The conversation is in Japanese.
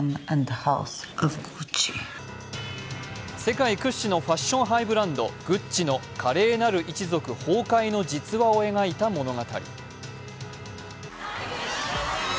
世界屈指のファッションハイブランド・グッチの華麗なる一族、崩壊の実話を描いた物語。